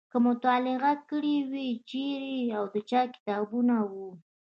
که مو مطالعه کړي وي چیرې او د چا کتابونه وو.